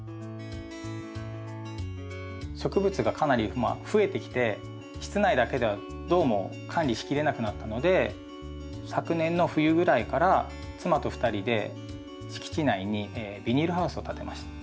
植物がかなり増えてきて室内だけではどうも管理しきれなくなったので昨年の冬ぐらいから妻と２人で敷地内にビニールハウスを建てました。